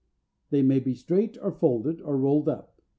They may be straight, or folded, or rolled up.